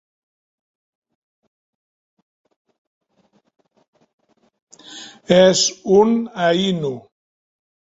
És un Ainu.